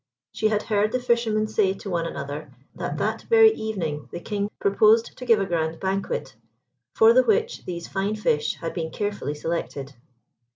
She had heard the fishermen say to one another, that that very evening the King purposed to give a grand banquet, for the which these fine fish had been carefully selected.